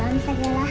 mengalir begitu jelas